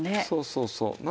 そうそうそう。